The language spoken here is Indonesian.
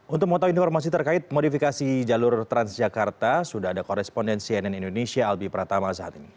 untuk mengetahui informasi terkait modifikasi jalur transjakarta sudah ada koresponden cnn indonesia albi pratama saat ini